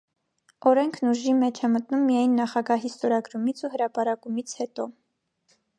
Օրենքն ուժի մեջ է մտնում միայն նախագահի ստորագրումից ու հրապարակումից հետո։